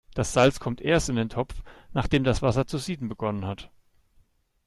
Das Salz kommt erst in den Topf, nachdem das Wasser zu sieden begonnen hat.